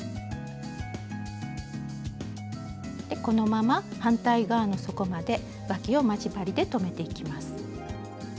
このまま反対側の底までわきを待ち針で留めていきます。